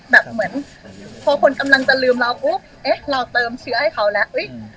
แบบเหมือนพอคนกำลังจะลืมเราปุ๊บเอ๊ะเราเติมเชื้อให้เขาแล้ว